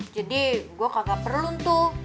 jadi gue kagak perlu ntuh